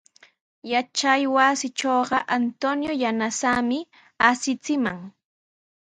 Yachaywasitrawqa Antonio yanasaami asichimaq.